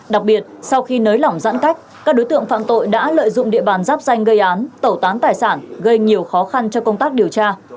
đặc biệt sau khi nới lỏng giãn cách các đối tượng phạm tội đã lợi dụng địa bàn giáp danh gây án tẩu tán tài sản gây nhiều khó khăn cho công tác điều tra